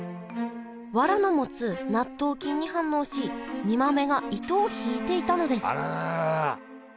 わらの持つ納豆菌に反応し煮豆が糸を引いていたのですあらららら。